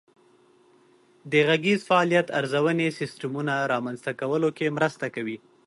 د غږیز فعالیت ارزونې سیسټمونه رامنځته کولو کې مرسته کوي.